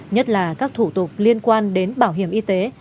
nhất là các thủ tục liên quan đến bảo hiểm y tế